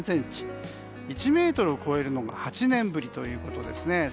１ｍを超えるのが８年ぶりということですね。